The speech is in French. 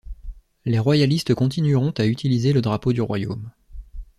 Les royalistes continueront à utiliser le drapeau du royaume.